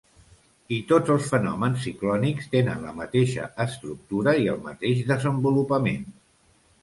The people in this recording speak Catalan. I tots els fenòmens ciclònics tenen la mateixa estructura i el mateix desenvolupament.